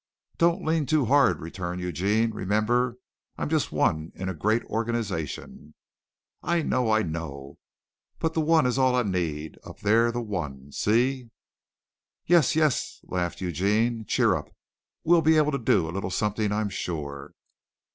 "Don't lean too hard," returned Eugene. "Remember, I'm just one in a great organization." "I know, I know, but the one is all I need up there the one, see?" "Yes, yes," laughed Eugene, "cheer up. We'll be able to do a little something, I'm sure."